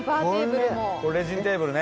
レジンテーブルね。